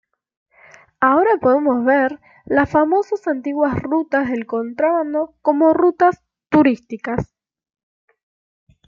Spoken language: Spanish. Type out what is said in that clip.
Ahora podemos ver las famosas antiguas rutas del contrabando como rutas turísticas.